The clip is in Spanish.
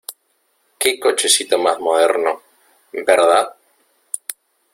Qué cochecito más moderno, ¿verdad?